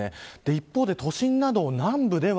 一方で、都心など南部では